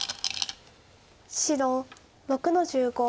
白６の十五。